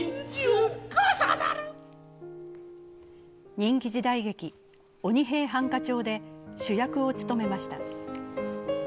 人気時代劇「鬼平犯科帳」で主役を務めました。